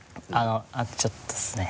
あとちょっとですね。